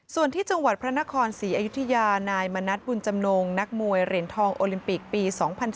ส่วนที่จังหวัดพระนครศรีอยุธยานายมณัฐบุญจำนงนักมวยเหรียญทองโอลิมปิกปี๒๐๑๘